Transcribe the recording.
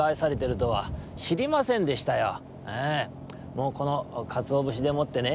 もうこのかつおぶしでもってね